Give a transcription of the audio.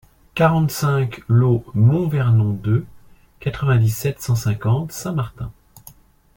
quarante-cinq lOT MONT VERNON deux, quatre-vingt-dix-sept, cent cinquante, Saint Martin